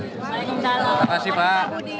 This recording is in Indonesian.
terima kasih pak